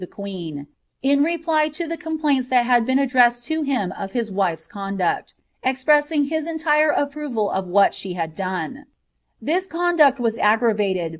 the queen, in reply to the coinplainis that hnd been nddremed to hioi of biB wife's coDcliict, expreBsing his entire approval of what site had doM Tliis cunduct was aggravalei!